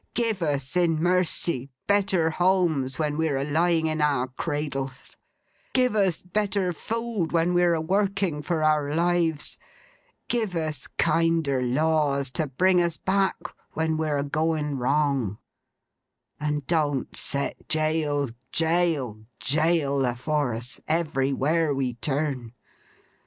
Give us, in mercy, better homes when we're a lying in our cradles; give us better food when we're a working for our lives; give us kinder laws to bring us back when we're a going wrong; and don't set jail, jail, jail, afore us, everywhere we turn.